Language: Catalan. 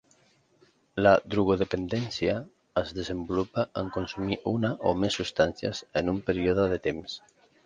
La drogodependència es desenvolupa en consumir una o més substàncies en un període de temps.